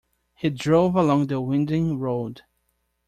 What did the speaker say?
We drove along the winding road.